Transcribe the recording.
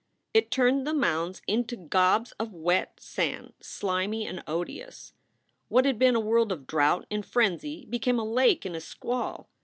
It turned the mounds into gobs of wet sand, slimy and odious. What had been a world of drought in frenzy became a lake in a squall.